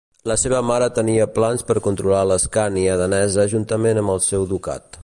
La seva mare tenia plans per controlar l'Escània danesa juntament amb el seu ducat.